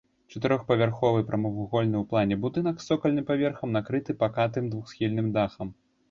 Чатырохпавярховы прамавугольны ў плане будынак з цокальным паверхам накрыты пакатым двухсхільным дахам.